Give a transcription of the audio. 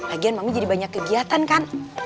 lagian mami jadi banyak kegiatan kan